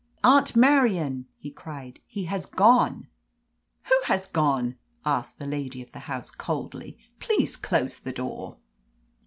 "Aunt Marian," he cried, "he has gone!" "Who has gone?" asked the lady of the house coldly. "Please close the door."